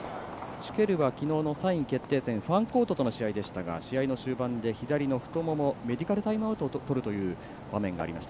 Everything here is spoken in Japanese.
シュケルはきのうの３位決定戦ファンコートとの試合でしたが試合の終盤で左の太ももメディカルタイムアウトをとる場面がありました